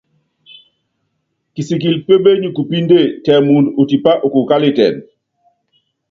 Kisikili pémenyi kupíndé, tɛ muundɔ utipa ukukukálitɛn.